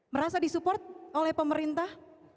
merasa disupport oleh pemerintah